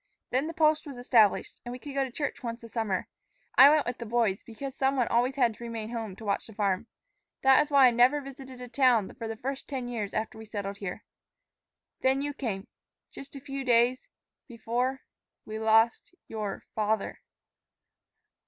Then the post was established, and we could go to church once a summer. I went with the boys, because some one always had to remain home to watch the farm. That is why I never visited a town the first ten years after we settled here. Then you came, just a few days before we lost your father."